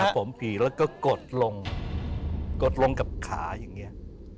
ผมผีแล้วก็กดลงกดลงกับขาอย่างนี้